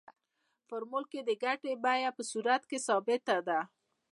په فورمول کې د ګټې بیه په صورت کې ثابته ده